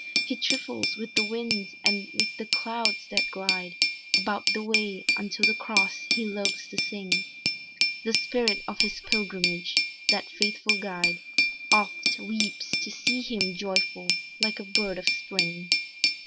He trifles with the winds and with the clouds that glide, About the way unto the Cross, he loves to sing, The spirit on his pilgrimage; that faithful guide, Oft weeps to see him joyful like a bird of Spring.